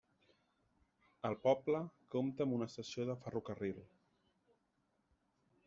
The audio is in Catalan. El poble compta amb una estació de ferrocarril.